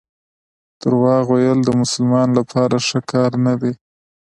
درواغ ویل د مسلمان لپاره ښه کار نه دی.